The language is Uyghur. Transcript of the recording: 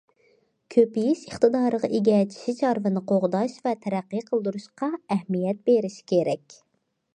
كۆپىيىش ئىقتىدارىغا ئىگە چىشى چارۋىنى قوغداش ۋە تەرەققىي قىلدۇرۇشقا ئەھمىيەت بېرىش كېرەك.